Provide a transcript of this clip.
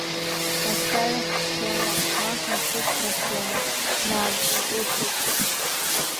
Ачарахь сцома, ма ҳамхы срашәома, нан, уҟәышыз!